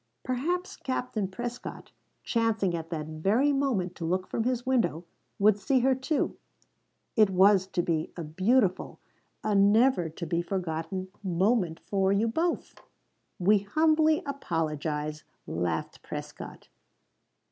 Perhaps Captain Prescott, chancing at that very moment to look from his window, would see her too. It was to be a beautiful, a never to be forgotten moment for you both." "We humbly apologize," laughed Prescott.